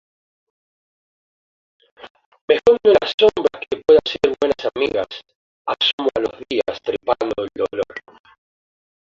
El actual rector es el Profesor Ryuichi Oka.